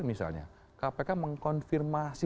misalnya kpk mengkonfirmasi